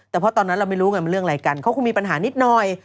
แต่เพราะตอนนั้นเราไม่รู้ไงมันเรื่องอะไรกันเขาคงมีปัญหานิดหน่อย